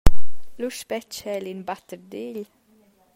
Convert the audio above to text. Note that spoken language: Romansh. Lu spetga el in batterdegl.